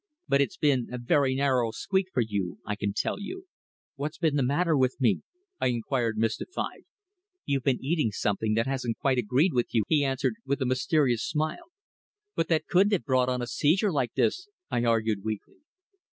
But it's been a very narrow squeak for you, I can tell you." "What's been the matter with me?" I inquired mystified. "You've been eating something that hasn't quite agreed with you," he answered with a mysterious smile. "But that couldn't have brought on a seizure like this," I argued weakly.